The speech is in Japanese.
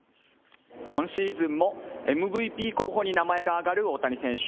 今シーズンもＭＶＰ候補に名前が挙がる大谷選手。